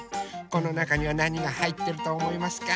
このなかにはなにがはいってるとおもいますか？